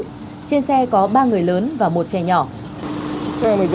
trên xe có ba người lớn và một trẻ nhỏ